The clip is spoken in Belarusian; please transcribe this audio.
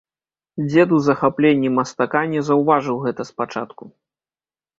Дзед у захапленні мастака не заўважыў гэта спачатку.